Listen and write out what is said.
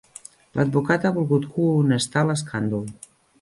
L'advocat ha volgut cohonestar l'escàndol.